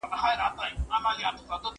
د ملکیار سندره د ساده عشق استازیتوب کوي.